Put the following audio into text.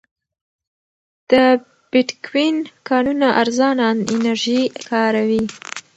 د بېټکوین کانونه ارزانه انرژي کاروي.